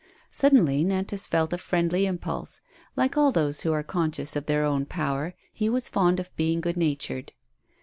Suddenly Nantas felt a friendly impulse. Like all those who are conscious of thbir own power, he was fond of being good natured.